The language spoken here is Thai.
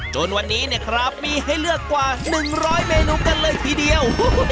จนวันนี้มีให้เลือกกว่า๑๐๐เมนูกันเลยทีเดียว